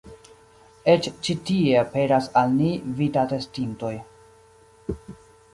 Eĉ ĉi tie aperas al ni vid-atestintoj.